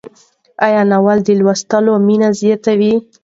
آیا ناول د لوستلو مینه زیاتوي؟